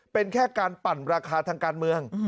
เป็นแค่การปั่นราคาทางการเมือง